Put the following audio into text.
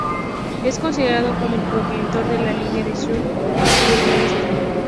Es considerado como el progenitor de la línea de Schwarzburgo-Sondershausen.